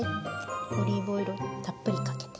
オリーブオイルをたっぷりかけて。